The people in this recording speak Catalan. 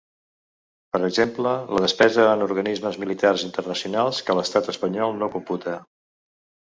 Per exemple, la despesa en organismes militars internacionals, que l’estat espanyol no computa.